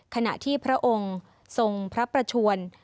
ขณะที่พระองค์ทรงพระประชวน